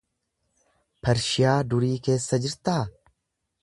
Pershiyaa durii keessa jirtaa?